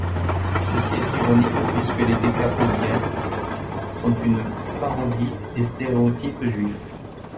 Ceci est ironique puisque les Décapodiens sont une parodie des stéréotypes juifs.